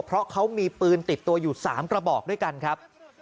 เพราะเขามีปืนติดตัวอยู่๓กระบอกด้วยกันครับ